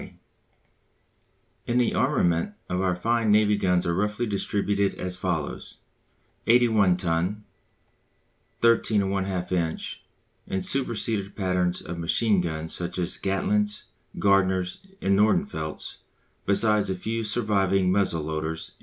_] In the armament of our fine Navy guns are roughly distributed as follows: 81 ton, 13 1/2 inch, and superseded patterns of machine guns such as Gatling's, Gardner's, and Nordenfelt's, besides a few surviving muzzle loaders, &c.